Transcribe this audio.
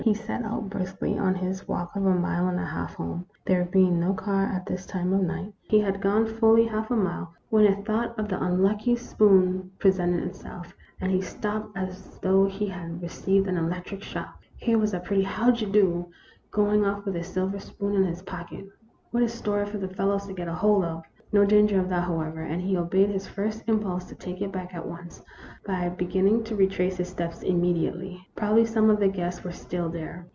He set out briskly on his walk of a mile and a half home, there being no car at this time of night. He had gone fully half a mile, when a thought of the 1 86 THE ROMANCE OF A SPOON. unlucky spoon presented itself, and he stopped as though he had received an electric shock. Here was a pretty how d 'ye do ! Going off with a silver spoon in his pocket. What a story for the fellows to get hold of ! No danger of that, however ; and he obeyed his first impulse to take it back at once, by beginning to retrace his steps immediately. Probably some of the guests were still there.